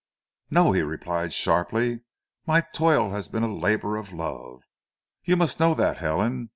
"No," he replied sharply. "My toil has been a labour of love. You must know that, Helen!